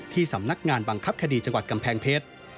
สำนักงานบังคับคดีจังหวัดกำแพงเพชร